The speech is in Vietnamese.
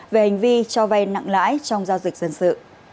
về hành vi cho vay nặng lãi trong giao dịch dân sự